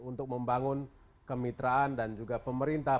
untuk membangun kemitraan dan juga pemerintah